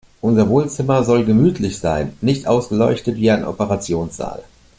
Unser Wohnzimmer soll gemütlich sein, nicht ausgeleuchtet wie ein Operationssaal.